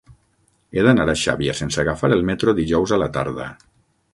He d'anar a Xàbia sense agafar el metro dijous a la tarda.